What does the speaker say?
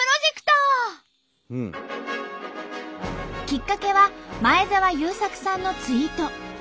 きっかけは前澤友作さんのツイート。